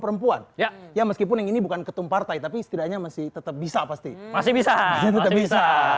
perempuan ya ya meskipun yang ini bukan ketum partai tapi setidaknya masih tetap bisa pasti masih bisa tetap bisa